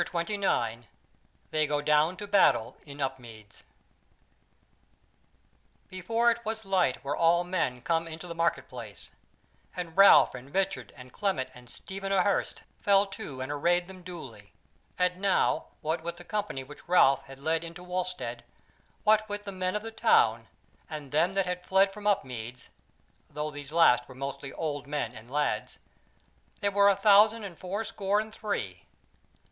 CHAPTER 29 They Go Down to Battle in Upmeads Before it was light were all men come into the market place, and Ralph and Richard and Clement and Stephen a Hurst fell to and arrayed them duly; and now, what with the company which Ralph had led into Wulstead, what with the men of the town, and them that had fled from Upmeads (though these last were mostly old men and lads), they were a thousand and four score and three.